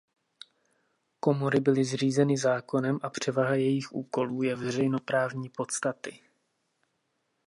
Komory byly zřízeny zákonem a převaha jejich úkolů je veřejnoprávní podstaty.